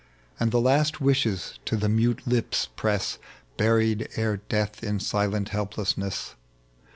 And the last wishes to the mnte lips press Buried ere death in silent helplessness.